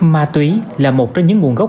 ma túy là một trong những nguồn gốc